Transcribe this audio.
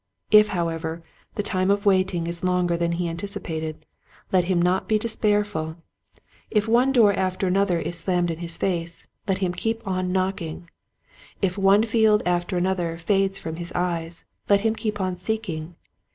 If however the time of waiting is longer than he anticipated let him not be despair ful. If one door after another is slammed 32 Quiet Hints to Growing Preachers. in his face, let him keep on knocking. If one field after another fades from his eyes, let him keep on seeking.